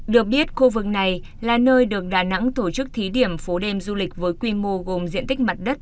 được biết khu vực này là nơi được đà nẵng tổ chức thí điểm phố đêm du lịch với quy mô gồm diện tích mặt đất